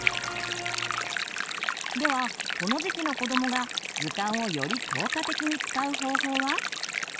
ではこの時期の子どもが図鑑をより効果的に使う方法は？